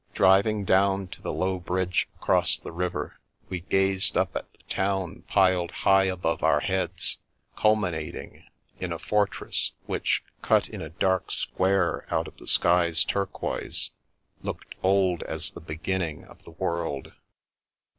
Driving down to the low bridge across the river, we gazed up at the town piled high above our heads, culminating in a for tress which, cut in a dark square out of the sky's turquoise, looked old as the beginning of the world.